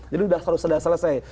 jadi sudah selesai